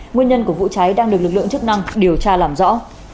nguyên nhân của vụ cháy đang được lực lượng chức năng điều tra làm rõ